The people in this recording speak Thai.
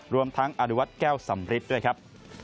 รวมทั้งอดิวัตแก้วสำริทด้วยครับ